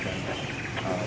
dan tidak terlalu baik